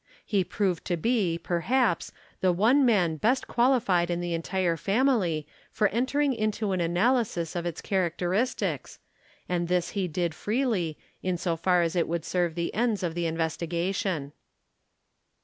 He proved to be, perhaps, the one man best qualified in the entire family for entering into an analysis of its characteristics, and this he did freely, in so far as it would serve the ends of the investigation.